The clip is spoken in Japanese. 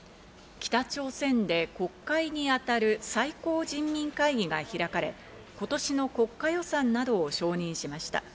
北朝鮮で国会にあたる最高人民会議が開かれ、今年の国家予算などを承認しました。